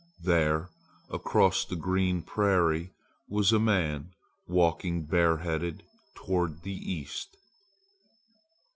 There across the green prairie was a man walking bareheaded toward the east.